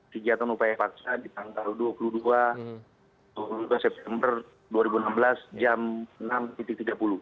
kegiatan upaya paksa di tanggal dua puluh dua september dua ribu enam belas jam enam tiga puluh